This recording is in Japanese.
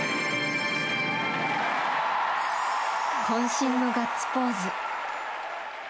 渾身のガッツポーズ。